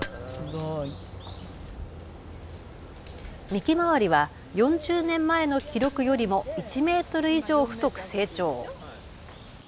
幹周りは４０年前の記録よりも１メートル以上、太く成長。